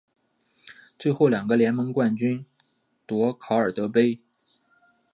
最后两个联盟冠军夺考尔德杯。